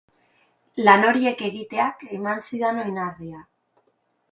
Lan horiek egiteak eman zidan oinarria.